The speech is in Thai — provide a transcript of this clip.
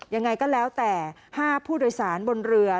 ยังไงก็แล้วแต่๕ผู้โดยสารบนเรือ